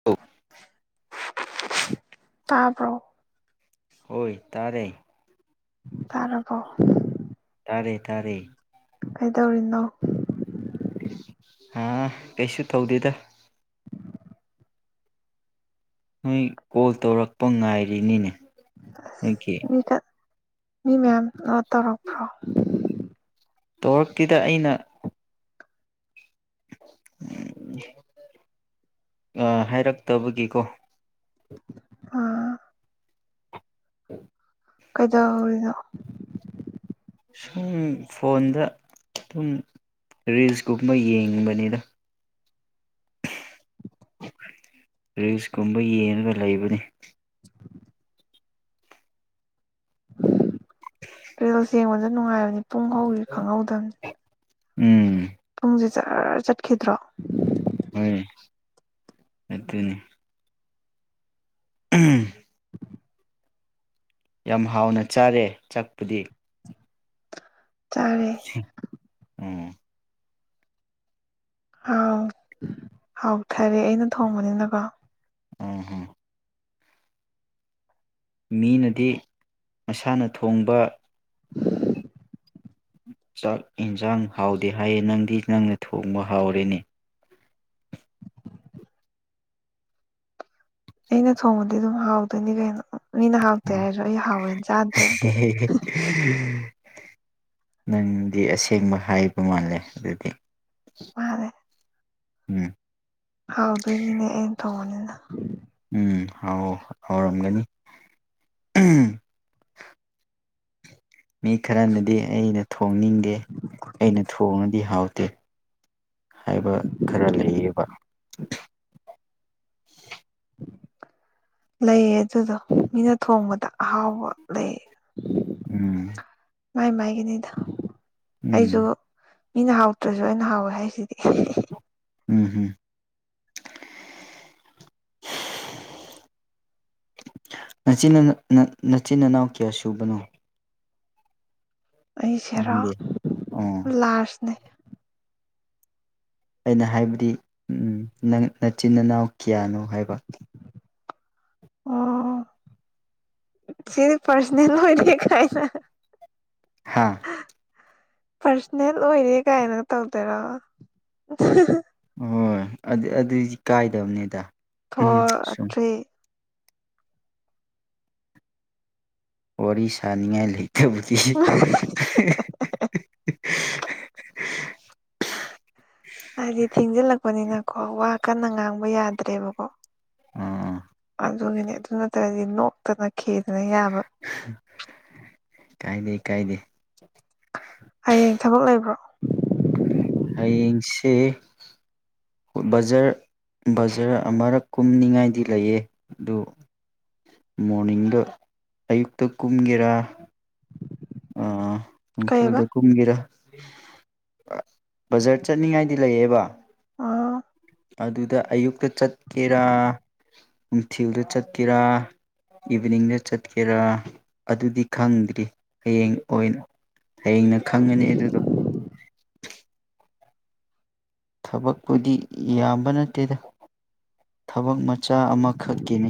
[unintelligible] ꯇꯥꯕ꯭ꯔꯣ ꯍꯣꯏ ꯇꯥꯔꯦ ꯇꯔꯕꯣ ꯇꯥꯔꯦ ꯇꯥꯔꯦ ꯀꯩ ꯇꯧꯔꯤꯅꯣ ꯑꯥ ꯀꯩꯁꯨ ꯇꯧꯗꯦꯗ ꯅꯣꯏ ꯀꯣꯜ ꯇꯧꯔꯛꯄ ꯉꯥꯏꯔꯤꯅꯤꯅꯦ ꯅꯪꯒꯤ ꯃꯤ ꯃꯤ ꯃꯌꯥꯝ ꯇꯧꯔꯛꯄ꯭ꯔꯣ ꯇꯧꯔꯛꯇꯦꯗ ꯑꯩꯅ ꯑ ꯍꯥꯏꯔꯛꯇꯕꯒꯤꯀꯣ ꯑꯥ [unintelligible] ꯀꯩꯗꯧꯔꯝꯃꯤꯅꯣ ꯁꯨꯝ ꯐꯣꯟꯗ ꯑꯗꯨꯝ ꯔꯤꯜꯁꯀꯨꯝꯕ ꯌꯦꯡꯕꯅꯤꯅ [unintelligible] ꯔꯤꯁꯀꯨꯝꯕ ꯌꯦꯡꯉꯒ ꯂꯩꯕꯅꯤ꯫ [unintelligible] ꯔꯤꯜꯁ ꯌꯦꯡꯕꯗ ꯅꯨꯡꯉꯥꯏꯕꯅꯤ ꯄꯨꯡ ꯍꯧꯈꯤꯕ ꯈꯪꯍꯧꯗꯕꯅꯤ꯫ ꯎꯝ ꯄꯨꯡꯁꯦ ꯖꯔ ꯆꯠꯈꯤꯗ꯭ꯔꯣ? ꯍꯣꯏ ꯑꯗꯨꯅꯤ꯫ ꯎꯝ [inaudible] ꯌꯥꯝ ꯍꯥꯎꯅ ꯆꯥꯔꯦ ꯆꯥꯛꯄꯨꯗꯤ꯫ ꯆꯥꯔꯦ [unintelligible] ꯑꯥꯎ ꯍꯥꯎꯊꯔꯦ ꯑꯩꯅ ꯊꯣꯡꯕꯅꯤꯅꯀꯣ꯫ ꯎꯝ꯫ ꯃꯤꯅꯗꯤ ꯃꯁꯥꯅ ꯊꯣꯡꯕ ꯆꯥꯛ ꯌꯦꯟꯁꯥꯡ ꯍꯥꯎꯗꯦ ꯍꯥꯏꯌꯦ ꯅꯪꯗꯤ ꯅꯪꯅ ꯊꯣꯡꯕ ꯍꯥꯎꯔꯦꯅꯦ꯫ ꯑꯩꯅ ꯊꯣꯡꯕꯗꯤ ꯑꯗꯨꯝ ꯍꯥꯎꯗꯣꯏꯅꯤ ꯀꯩꯅꯣ ꯃꯤꯅ ꯍꯥꯎꯇꯦ ꯎꯝ ꯍꯥꯏꯔꯁꯨ ꯑꯩ ꯍꯥꯎꯋꯦꯅ ꯆꯥꯗ꯭ꯔꯗꯤ꯫ ꯅꯪꯗꯤ ꯑꯁꯦꯡꯕ ꯍꯥꯏꯕ ꯃꯥꯜꯂꯦ ꯑꯗꯨꯗꯤ꯫ ꯃꯥꯅꯦ꯫ ꯎꯝ ꯍꯥꯎꯗꯣꯢꯅꯤꯅꯦ ꯑꯩꯅ ꯇꯣꯡꯕꯅꯤꯅ꯫ ꯎꯝ ꯍꯥꯎꯌꯣ ꯍꯧꯎꯔꯝꯒꯅꯤ ꯃꯤ ꯈꯔꯅꯗꯤ ꯑꯩꯅ ꯊꯣꯡꯅꯤꯡꯗꯦ ꯑꯩꯅ ꯊꯣꯡꯉꯗꯤ ꯍꯥꯎꯇꯦ꯫ ꯍꯥꯏꯕ ꯈꯔ ꯂꯩꯌꯦꯕ꯫ [unintelligible] ꯂꯩꯌꯦ ꯑꯗꯨꯗꯣ ꯃꯤꯅ ꯊꯣꯡꯕꯗ ꯑꯍꯥꯎꯕ ꯂꯩꯌꯦ꯫ ꯎꯝ꯫ ꯃꯥꯏ ꯃꯥꯏꯒꯤꯅꯤꯗ ꯑꯩꯁꯨ ꯎꯝ ꯃꯤꯅ ꯍꯥꯎꯇ꯭ꯔꯁꯨ ꯑꯩꯅ ꯍꯥꯎꯋꯦ ꯍꯥꯏꯁꯤꯗꯤ꯫ ꯎꯝ ꯅꯆꯤꯟ ꯅꯅꯥ ꯅꯆꯤꯟ ꯏꯅꯥꯎ ꯀꯌꯥ ꯁꯨꯕꯅꯣ? ꯑꯩ ꯁꯦꯔꯣ ꯅꯪꯗꯤ ꯑꯣ ꯂꯥꯔꯖꯅꯦ꯫ ꯑꯩꯅ ꯍꯥꯏꯕꯗꯤ ꯅꯪ ꯅꯆꯤꯟ ꯏꯅꯥꯎ ꯀꯌꯥꯅꯣ ꯍꯥꯏꯕ? ꯑꯣ ꯁꯤꯗꯤ ꯄꯔꯁꯅꯦ ꯑꯣꯏꯗꯤ ꯀꯥꯏꯅ꯫ ꯍꯥꯥ ꯄꯥꯔꯁꯅꯦꯜ ꯑꯣꯏꯔꯦ ꯀꯥꯏꯅ ꯇꯧꯗꯣꯏꯔꯣ? ꯍꯣꯏ ꯑꯗꯨ ꯑꯗꯨꯏꯗꯤ ꯀꯥꯏꯗꯕꯅꯦꯗ꯫ ꯐꯣꯔ ꯊ꯭ꯔꯤ ꯋꯥꯔꯤ ꯁꯅꯤꯡꯉꯥꯏ ꯂꯩꯇꯕꯗꯤ꯫ ꯍꯥꯏꯗꯤ ꯊꯦꯡꯖꯤꯜꯂꯛꯄꯅꯤꯅꯀꯣ ꯋꯥ ꯀꯟꯅ ꯉꯥꯡꯕ ꯌꯥꯗ꯭ꯔꯦꯕꯀꯣ꯫ ꯑꯣ ꯑꯗꯨꯒꯤꯅꯤ ꯑꯗꯨ ꯅꯠꯇ꯭ꯔꯗꯤ ꯅꯣꯛꯇꯅ ꯈꯦꯗꯅ ꯌꯥꯕ꯫ ꯀꯥꯏꯗꯦ ꯀꯥꯏꯗꯦ ꯍꯌꯦꯡ ꯊꯕꯛ ꯂꯩꯕ꯭ꯔꯣ? ꯍꯌꯦꯡꯁꯦ ꯕꯥꯖꯥꯔ ꯕꯥꯖꯥꯔ ꯑꯃꯔꯛ ꯀꯨꯝꯅꯤꯡꯉꯥꯏꯗꯤ ꯂꯩꯌꯦ ꯑꯗꯨ ꯃꯣꯔꯅꯤꯡꯗ ꯑꯌꯨꯛꯇ ꯀꯨꯝꯒꯦꯔꯥ꯫ ꯀꯩꯕ ꯑꯥ ꯀꯨꯝꯒꯤꯔ ꯕꯖꯥꯔ ꯆꯠꯅꯤꯡꯉꯥꯏꯗꯤ ꯂꯩꯌꯦꯕ꯫ ꯑꯣ ꯑꯗꯨꯗ ꯑꯌꯨꯛꯇ ꯆꯠꯀꯦꯔꯥ ꯅꯨꯡꯊꯤꯜꯗ ꯆꯠꯀꯦꯔꯥ꯫ ꯏꯚꯅꯤꯡꯗ ꯆꯠꯀꯦꯔꯥ ꯑꯗꯨꯗꯤ ꯈꯪꯗ꯭ꯔꯤ꯫ ꯍꯌꯦꯡ ꯑꯣꯏꯅ ꯍꯌꯦꯡꯅ ꯈꯪꯒꯅꯤ ꯑꯗꯨꯗꯣ ꯊꯕꯛꯄꯨꯗꯤ ꯌꯥꯝꯕ ꯅꯠꯇꯦꯗ ꯊꯕꯛ ꯃꯆꯥ ꯑꯃꯈꯛꯀꯤꯅꯤ꯫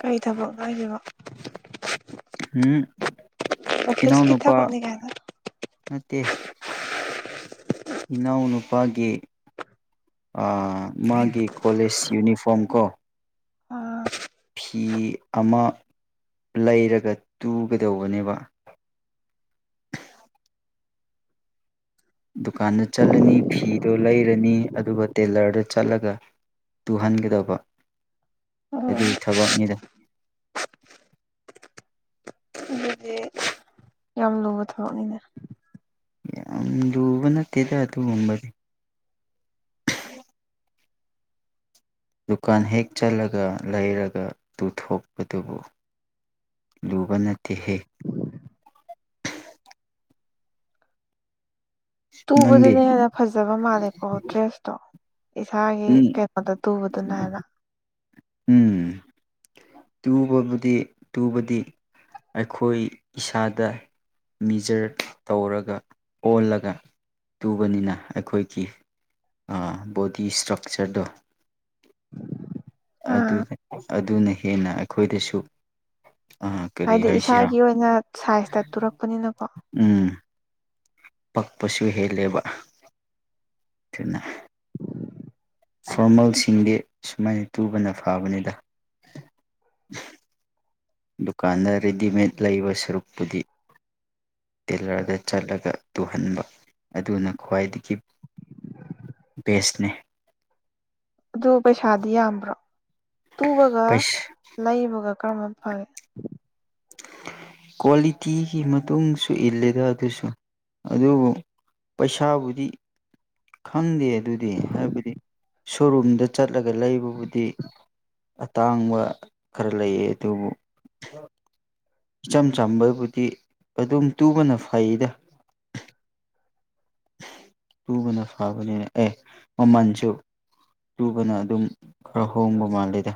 ꯀꯩ ꯊꯕꯛ ꯍꯥꯏꯁꯤꯕꯣ꯫ ꯑꯣꯐꯤꯁꯀꯤ ꯏꯅꯥꯎꯅꯨꯄꯥ ꯊꯕꯛꯅꯤ ꯀꯥꯏꯅ ꯅꯠꯇꯦ꯫ ꯏꯅꯥꯎꯅꯨꯄꯥꯒꯤ ꯑ ꯃꯥꯒꯤ ꯀꯣꯂꯦꯖ ꯌꯨꯅꯤꯐꯣꯔꯝ ꯀꯣ꯫ ꯑꯥ ꯐꯤ ꯑꯃ ꯂꯩꯔꯒ ꯇꯨꯒꯗꯧꯕꯅꯦꯕ꯫ ꯗꯨꯀꯥꯟꯗ ꯆꯠꯂꯅꯤ ꯐꯤ ꯗꯨ ꯂꯩꯔꯅꯤ ꯑꯗꯨꯒ ꯇꯦꯂꯔꯗ ꯆꯠꯂꯒ ꯇꯨꯍꯟꯒꯗꯕ꯫ ꯑꯣ ꯑꯗꯨꯏ ꯊꯕꯛꯅꯤꯗ꯫ ꯑꯗꯨꯗꯤ ꯌꯥꯝ ꯂꯨꯕ ꯊꯕꯛꯅꯤꯅꯦ꯫ ꯌꯥꯝ ꯂꯨꯕ ꯅꯠꯇꯦꯗ ꯑꯗꯨ ꯒꯨꯝꯕꯗꯤ꯫ ꯗꯨꯀꯥꯟ ꯍꯦꯛ ꯆꯠꯂꯒ ꯂꯩꯔꯒ ꯇꯨꯊꯣꯛꯄꯗꯨꯕꯨ꯫ ꯂꯨꯕ ꯅꯠꯇꯦꯍꯦ꯫ ꯅꯪꯗꯤ ꯇꯨꯕꯗꯨꯅ ꯍꯦꯟꯅ ꯐꯖꯕ ꯃꯥꯜꯂꯦꯀꯣ ꯗ꯭ꯔꯦꯁꯇꯣ꯫ ꯏꯁꯥꯒꯤ ꯎꯝ ꯀꯩꯅꯣꯗ ꯇꯨꯕꯗꯨꯅ ꯍꯥꯏꯅ ꯎꯝ꯫ ꯇꯨꯕꯕꯨꯗꯤ ꯇꯨꯕꯗꯤ ꯑꯩꯈꯣꯏ ꯏꯁꯥꯗ꯫ ꯃꯤꯖꯔ ꯇꯧꯔꯒ ꯑꯣꯜꯂꯒ ꯇꯨꯕꯅꯤꯅ ꯑꯩꯈꯣꯏꯒꯤ꯫ ꯕꯣꯗꯤ ꯏꯁꯇ꯭ꯔꯛꯆꯔꯗꯣ꯫ [unintelligible] ꯑꯗꯨꯅꯦ ꯑꯗꯨꯅ ꯍꯦꯟꯅ ꯑꯩꯈꯣꯏꯗꯁꯨ ꯀꯔꯤ ꯍꯥꯏꯗꯤ ꯍꯥꯏꯁꯤꯔꯥ ꯏꯁꯥꯒꯤ ꯑꯣꯏꯅ ꯁꯥꯏꯖꯇ ꯇꯨꯔꯛꯄꯅꯤꯅꯀꯣ꯫ ꯎꯝ꯫ ꯄꯛꯄꯁꯨ ꯍꯦꯜꯂꯦꯕ꯫ ꯊꯤꯅ꯫ ꯐꯣꯔꯃꯦꯜꯁꯤꯡꯗꯤ ꯁꯨꯃꯥꯏꯅ ꯇꯨꯕꯅ ꯐꯕꯅꯤꯗ꯫ ꯗꯨꯀꯥꯟꯗ ꯔꯦꯗꯤꯃꯦꯠ ꯂꯩꯕ ꯁꯔꯨꯛꯄꯨꯗꯤ꯫ ꯇꯦꯂꯔꯗ ꯆꯠꯂꯒ꯫ ꯇꯨꯍꯟꯕ ꯑꯗꯨꯅ ꯈ꯭ꯋꯥꯏꯗꯒꯤ ꯕꯦꯁꯅꯦ꯫ ꯑꯗꯨ ꯄꯩꯁꯥꯗꯤ ꯌꯥꯝꯕ꯭ꯔꯣ ꯇꯨꯕꯒ ꯄꯩꯁꯥ ꯂꯩꯕꯒ ꯀꯔꯝꯕꯅ ꯐꯒꯦ꯫ ꯀ꯭ꯋꯥꯂꯤꯇꯤꯒꯤ ꯃꯇꯨꯡꯁꯨ ꯏꯜꯂꯦꯗ ꯑꯗꯨꯁꯨ ꯑꯗꯨꯕꯨ ꯄꯩꯁꯥꯕꯨꯗꯤ ꯈꯪꯗꯦ ꯑꯗꯨꯗꯤ ꯍꯥꯏꯕꯗꯤ ꯁꯣꯔꯨꯝꯗ ꯆꯠꯂꯒ ꯂꯩꯕꯕꯨꯗꯤ ꯑꯇꯥꯡꯕ ꯈꯔ ꯂꯩꯌꯦ ꯑꯗꯨꯕꯨ ꯏꯆꯝ ꯆꯝꯕꯕꯨꯗꯤ ꯑꯗꯨꯝ ꯇꯨꯕꯅ ꯐꯩꯗ꯫ ꯇꯨꯕꯅ ꯐꯕꯅꯦ ꯑꯦ ꯃꯃꯟꯁꯨ ꯇꯨꯕꯅ ꯑꯗꯨꯝ ꯈꯔ ꯍꯣꯡꯕ ꯃꯥꯂꯦꯗ꯫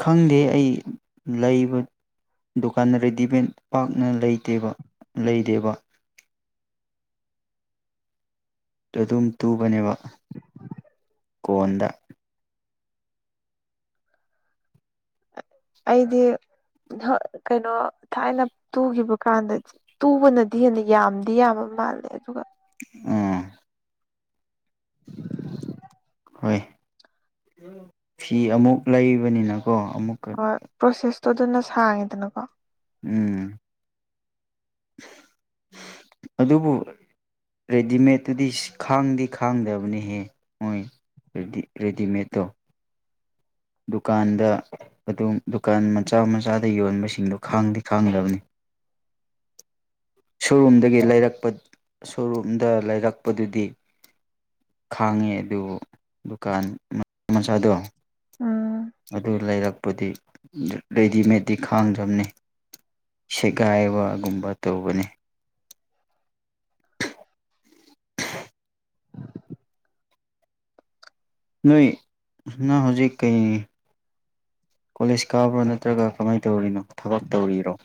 ꯈꯪꯗꯦ ꯑꯩ ꯂꯩꯕ ꯗꯨꯀꯥꯟꯗ ꯔꯦꯗꯤꯃꯦꯠ ꯄꯥꯛꯅ ꯂꯩꯗꯦꯕ ꯂꯩꯗꯦꯕ꯫ ꯗꯨꯗ ꯗꯨꯝ ꯇꯨꯕꯅꯦꯕ ꯀꯣꯟꯗ꯫ ꯑꯩꯗꯤ ꯀꯩꯅꯣ ꯊꯥꯏꯅ ꯇꯨꯒꯤꯕ ꯀꯥꯟꯗꯗꯤ ꯇꯨꯕꯅꯗꯤ ꯍꯦꯟꯅ ꯌꯥꯝꯗꯤ ꯌꯥꯝꯕ ꯃꯥꯜꯂꯦ ꯑꯗꯨꯒ ꯎꯝ꯫ ꯍꯣꯏ ꯐꯤ ꯑꯃꯨꯛ ꯂꯩꯕꯅꯤꯅꯀꯣ ꯑꯃꯨꯛꯀ ꯍꯣꯏ ꯄ꯭ꯔꯣꯁꯦꯁꯇꯣ ꯑꯗꯨꯅ ꯁꯥꯡꯉꯤꯗꯅꯀꯣ꯫ ꯎꯝ꯫ ꯑꯗꯨꯕꯨ ꯔꯦꯗꯤꯃꯦꯠꯇꯨꯗꯤ ꯈꯥꯡꯗꯤ ꯈꯥꯡꯗꯕꯅꯤꯍꯦ ꯃꯣꯏ꯫ ꯔꯦꯗꯤ ꯔꯦꯗꯤꯃꯦꯠꯇꯣ꯫ ꯗꯨꯀꯥꯟꯗ ꯑꯗꯨꯝ ꯗꯨꯀꯥꯟ ꯃꯆꯥ ꯃꯆꯥꯗ ꯌꯣꯟꯕꯁꯤꯡꯗꯣ ꯈꯥꯡꯗꯤ ꯈꯥꯡꯗꯕꯅꯤ꯫ [inaudible] ꯁꯣꯔꯨꯝꯗꯒꯤ ꯂꯩꯔꯛꯄ ꯁꯣꯔꯨꯝꯗ ꯂꯩꯔꯛꯄꯗꯨꯗꯤ ꯈꯥꯡꯉꯦ ꯑꯗꯨ ꯗꯨꯀꯥꯟ ꯃꯆꯥꯗꯣ ꯎꯝ ꯑꯗꯨ ꯂꯩꯔꯛꯄꯗꯤ ꯔꯦꯗꯤꯃꯦꯠꯇꯤ ꯈꯥꯡꯗꯝꯅꯦ ꯁꯦꯒꯥꯏꯕꯒꯨꯝꯕ ꯇꯧꯕꯅꯦ ꯅꯣꯏ ꯅꯪ ꯍꯧꯖꯤꯛ ꯀꯩ ꯀꯣꯂꯦꯖ ꯀꯥꯕ꯭ꯔꯥ ꯅꯠꯇ꯭ꯔꯒ ꯀꯃꯥꯏ ꯇꯧꯔꯤꯅꯣ ꯊꯕꯛ ꯇꯧꯔꯤꯔꯣ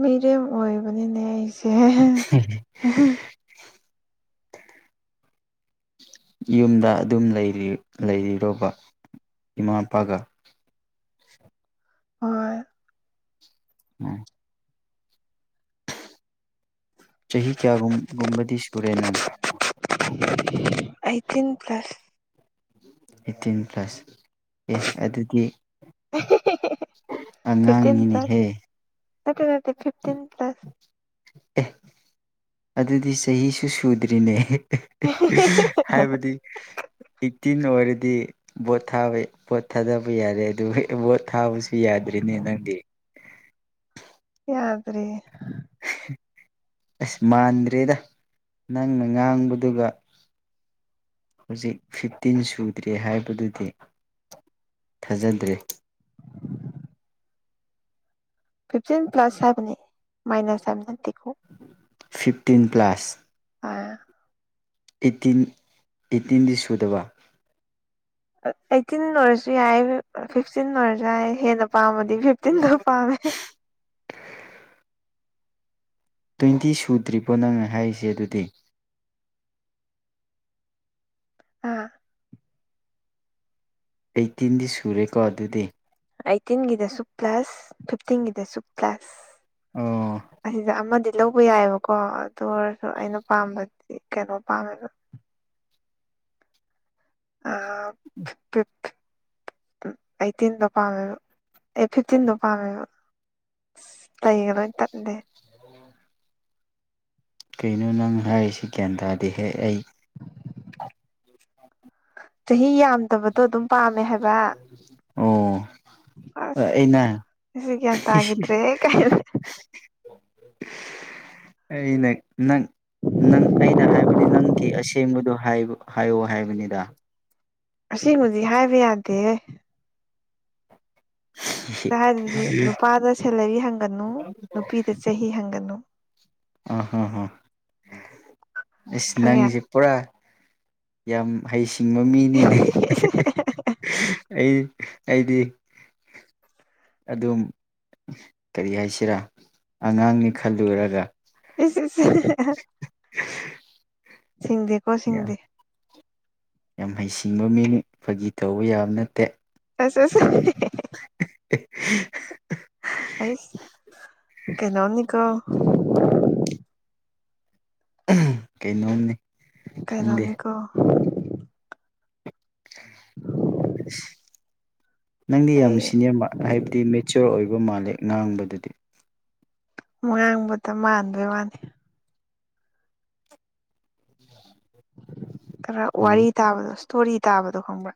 ꯃꯤꯔꯦꯝ ꯑꯣꯏꯕꯅꯤꯅꯦ ꯑꯩꯁꯦ [unintelligible] [unintelligible] ꯌꯨꯝꯗ ꯑꯗꯨꯝ ꯂꯩꯔꯤ ꯂꯩꯔꯤꯔꯣꯕ ꯏꯃꯥ ꯢꯄꯥꯒ ꯍꯣꯏ [unintelligible] ꯆꯍꯤ ꯀꯌꯥꯒꯨꯝ ꯒꯨꯝꯕꯗꯤ ꯁꯨꯔꯦ ꯅꯪ ꯑꯩꯠꯇꯤꯟ ꯄ꯭ꯂꯁ ꯑꯩꯠꯇꯤꯟ ꯄ꯭ꯂꯁ ꯑꯦ ꯑꯗꯨꯗꯤ ꯐꯤꯚꯇꯤꯟ ꯄ꯭ꯂꯁ ꯑꯉꯥꯡꯅꯤꯅꯦꯍꯦ ꯅꯠꯇꯦ ꯅꯠꯇꯦ ꯐꯤꯚꯇꯤꯟ ꯄ꯭ꯂꯁ ꯑꯦ ꯑꯗꯨꯗꯤ ꯆꯍꯤꯁꯨ ꯁꯨꯗ꯭ꯔꯤꯅꯦ ꯍꯥꯏꯕꯗꯤ ꯑꯩꯠꯇꯤꯟ ꯑꯣꯏꯔꯗꯤ ꯕꯣꯠ ꯊꯥꯕ ꯕꯣꯠ ꯊꯥꯗꯕ ꯌꯥꯔꯦ ꯑꯗꯨ ꯕꯣꯠ ꯊꯥꯕꯁꯨ ꯌꯥꯗ꯭ꯔꯤꯅꯦ ꯅꯪꯗꯤ ꯌꯥꯗ꯭ꯔꯦ ꯑꯁ ꯃꯥꯟꯗ꯭ꯔꯦꯗ ꯅꯪꯅ ꯉꯥꯡꯕꯗꯨꯒ ꯍꯨꯖꯤꯛ ꯐꯤꯞꯇꯤꯟ ꯁꯨꯗ꯭ꯔꯤ ꯍꯥꯏꯕꯗꯨꯗꯤ ꯊꯥꯖꯗ꯭ꯔꯦ ꯐꯤꯞꯇꯤꯟ ꯄ꯭ꯂꯁ ꯍꯥꯏꯕꯅꯤ ꯃꯥꯏꯅꯁ ꯍꯥꯏꯕ ꯅꯠꯇꯦꯀꯣ ꯐꯤꯞꯇꯤꯟ ꯄ꯭ꯂꯁ ꯑꯥ ꯑꯩꯠꯇꯤꯟ ꯑꯩꯠꯇꯤꯟꯗꯤ ꯁꯨꯗꯕ ꯑꯩꯠꯇꯤꯟ ꯑꯣꯏꯔꯁꯨ ꯌꯥꯏ ꯐꯤꯐꯇꯤꯟ ꯑꯣꯏꯔꯁꯨ ꯌꯥꯏ ꯍꯦꯟꯅ ꯄꯥꯝꯕꯗꯤ ꯐꯤꯞꯇꯤꯟꯗꯣ ꯄꯥꯝꯃꯦ ꯇ꯭ꯋꯦꯟꯇꯤ ꯁꯨꯗ꯭ꯔꯤꯕꯣ ꯅꯪ ꯍꯥꯏꯁꯦ ꯑꯗꯨꯗꯤ ꯑꯥ ꯑꯩꯠꯇꯤꯟꯗꯤ ꯁꯨꯔꯦꯀꯣ ꯑꯗꯨꯗꯤ ꯑꯩꯠꯇꯤꯟꯒꯤꯗꯁꯨ ꯄ꯭ꯂꯁ ꯐꯤꯐꯇꯤꯟꯒꯤꯗꯁꯨ ꯄ꯭ꯂꯁ ꯑꯣ ꯑꯁꯤꯗ ꯑꯃꯗꯤ ꯂꯧꯕ ꯌꯥꯏꯑꯦꯕꯀꯣ ꯑꯗꯨ ꯑꯣꯏꯔꯁꯨ ꯑꯩꯅ ꯄꯥꯝꯕꯗꯤ ꯀꯩꯅꯣ ꯄꯥꯝꯃꯦꯕ ꯑꯥ ꯐꯤꯐꯇꯤꯟ ꯐꯤ ꯎꯝ ꯑꯩꯠꯇꯤꯟꯗꯣ ꯄꯥꯝꯃꯦꯕ ꯑꯦ ꯐꯤꯞꯇꯤꯟꯗꯣ ꯄꯥꯝꯃꯦꯕ ꯂꯩꯒ ꯂꯣꯏ ꯇꯠꯂꯦ [inaudible] ꯀꯩꯅꯣ ꯅꯪ ꯍꯥꯏꯁꯤ ꯒ꯭ꯌꯥꯟ ꯇꯥꯗꯦꯍꯦ ꯑꯩ [inaudible] ꯆꯍꯤ ꯌꯥꯝꯗꯕꯗꯣ ꯑꯗꯨꯝ ꯄꯥꯝꯃꯦ ꯍꯥꯏꯕ ꯑꯣ ꯑꯁ ꯑꯩꯅ ꯅꯪꯁꯦ ꯒ꯭ꯌꯥꯟ ꯇꯥꯒꯤꯗ꯭ꯔꯦꯍꯦ ꯀꯥꯏ [inaudible] ꯑꯩꯅ ꯅꯪ ꯅꯪ ꯑꯩꯅ ꯍꯥꯏꯕꯗꯤ ꯅꯪꯒꯤ ꯑꯁꯦꯡꯕꯗꯣ ꯍꯥꯏꯕ ꯍꯥꯏꯌꯣ ꯍꯥꯏꯕꯅꯤꯗ ꯑꯁꯦꯡꯕꯗꯤ ꯍꯥꯏꯕ ꯌꯥꯗꯦꯍꯦ ꯍꯥꯢꯔꯤꯗꯨꯗꯤ ꯅꯨꯄꯥꯗ ꯁꯦꯂꯔꯤ ꯍꯪꯒꯅꯨ ꯅꯨꯄꯤꯗ ꯆꯍꯤ ꯍꯪꯒꯅꯨ ꯑꯥ ꯍꯥ ꯍꯥ ꯑꯁ ꯈꯪꯉꯦ ꯅꯪꯒꯤꯁꯦ ꯄꯨꯔꯥ ꯌꯥꯝ ꯃꯍꯩꯁꯤꯡꯕ ꯃꯤꯅꯤꯅꯦ ꯑꯩ ꯑꯩꯗꯤ ꯑꯗꯨꯝ ꯀꯔꯤ ꯍꯥꯏꯁꯤꯔꯥ ꯑꯉꯥꯡꯅꯤ ꯈꯜꯂꯨꯔꯒ ꯏꯁ [unintelligible] ꯁꯤꯡꯗꯦ ꯀꯣ ꯌꯥꯝ ꯁꯤꯡꯗꯦ ꯌꯥꯝ ꯍꯩꯁꯤꯡꯕ ꯃꯤꯅꯤ ꯐꯥꯒꯤ ꯇꯧꯕ ꯌꯥꯕ ꯅꯠꯇꯦ ꯑꯁ [unintelligible] [unintelligible] ꯑꯩꯁ ꯀꯩꯅꯣꯝꯅꯤꯀꯣ ꯀꯩꯅꯣꯝꯅꯦ ꯀꯩꯩꯅꯣꯝꯅꯤꯀꯣ [unintelligible] ꯅꯪꯗꯤ ꯌꯥꯝ ꯑꯩ ꯁꯤꯅꯦꯌꯔ ꯃꯥ ꯍꯥꯏꯕꯗꯤ ꯃꯦꯆꯣꯔ ꯑꯣꯏꯕ ꯃꯥꯜꯂꯦ ꯉꯥꯡꯕꯗꯗꯤ ꯉꯥꯡꯕꯗ ꯃꯥꯟꯕꯩ ꯋꯥꯅꯤ ꯈꯔ ꯋꯥꯔꯤ ꯎꯝ ꯇꯥꯕꯗꯣ ꯏꯁꯇꯣꯔꯤ ꯇꯥꯕꯗꯣ ꯈꯪꯕ꯭ꯔꯥ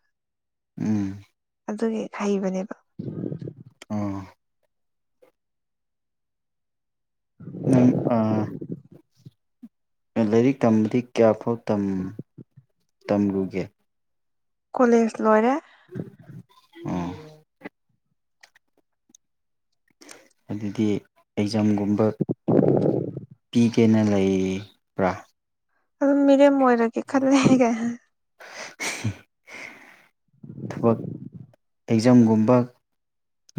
ꯎꯝ ꯑꯗꯨꯒꯤ ꯍꯩꯕꯅꯦꯕ ꯑꯣ ꯎꯝ ꯅꯪ ꯑ ꯂꯥꯏꯔꯤꯛ ꯇꯝꯕꯗꯤ ꯀꯌꯥꯐꯥꯎ ꯇꯝ ꯇꯝꯂꯨꯒꯦ ꯀꯣꯂꯦꯖ ꯂꯣꯏꯔꯦ ꯑꯣ ꯑꯗꯨꯗꯤ ꯑꯦꯛꯖꯥꯝꯒꯨꯝꯕ ꯄꯤꯒꯦꯅ ꯂꯩꯕ꯭ꯔꯥ ꯑꯗꯨꯝ ꯃꯤꯔꯦꯝ ꯑꯣꯏꯔꯒꯦ ꯈꯜꯂꯦ ꯊꯕꯛ ꯑꯦꯛꯖꯥꯝꯒꯨꯝꯕ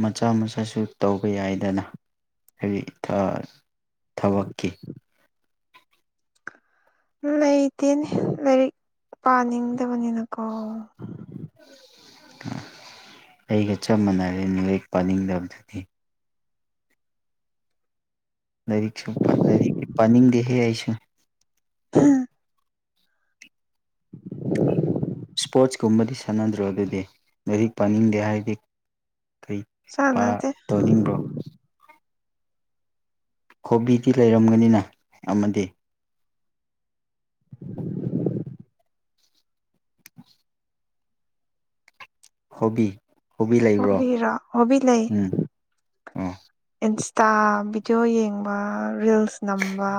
ꯃꯆꯥ ꯃꯆꯥꯁꯨ ꯇꯧꯕ ꯌꯥꯏꯗꯅ ꯍꯥꯏꯗꯤ ꯊ ꯊꯕꯛꯀꯤ ꯂꯩꯇꯦꯅꯦ ꯂꯥꯏꯔꯤꯛ ꯄꯥꯅꯤꯡꯗꯕꯅꯤꯅꯀꯣ ꯑꯩꯒ ꯆꯞ ꯃꯥꯟꯅꯥꯔꯦ ꯂꯥꯏꯔꯤꯛ ꯄꯥꯅꯤꯡꯗꯕꯗꯨꯗꯤ ꯂꯥꯏꯔꯤꯛꯁꯨ ꯄꯠ ꯂꯥꯏꯔꯤꯛꯇꯤ ꯄꯥꯅꯤꯡꯗꯦꯍꯦ ꯑꯩꯁꯨ ꯍꯝ [unintelligible] ꯁ꯭ꯄꯣꯔꯠꯁꯀꯨꯝꯕꯗꯤ ꯁꯥꯟꯅꯗ꯭ꯔꯣ ꯑꯗꯨꯗꯤ ꯂꯥꯏꯔꯤꯛ ꯄꯥꯅꯤꯡꯗꯦ ꯍꯥꯏꯔꯗꯤ ꯀꯔꯤ [unintelligible] ꯅꯤꯡꯕ꯭ꯔꯣ ꯍꯣꯕꯤꯗꯤ ꯂꯩꯔꯝꯒꯅꯤꯅ ꯑꯃꯗꯤ [inaudible] ꯍꯣꯕꯤ ꯍꯣꯕꯤ ꯂꯩꯕ꯭ꯔꯣ ꯍꯣꯕꯤꯔꯣ ꯍꯣꯕꯤ ꯂꯩ ꯎꯝ ꯑꯣ ꯏꯟꯁꯇꯥ ꯚꯤꯗꯤꯑꯣ ꯌꯦꯡꯕ ꯔꯤꯜꯁ ꯅꯝꯕ